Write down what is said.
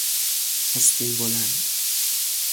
آستین بلند